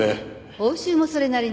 報酬もそれなりに。